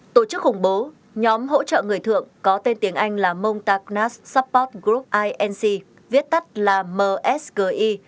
tổ chức khủng bố nhóm hỗ trợ người thượng có tên tiếng anh là montagnas support group inc viết tắt là msgi